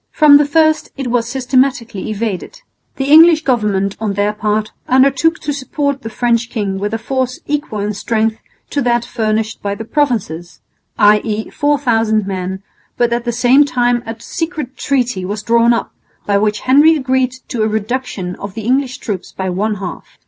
From the first it was systematically evaded. The English government on their part undertook to support the French king with a force equal in strength to that furnished by the Provinces, i.e. 4000 men, but at the same time a secret treaty was drawn up by which Henry agreed to a reduction of the English troops by one half.